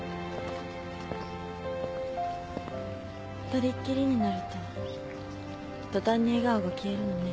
２人っきりになると途端に笑顔が消えるのね。